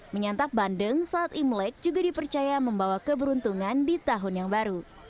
menyantap bandeng saat imlek juga dipercaya membawa keberuntungan di tahun yang baru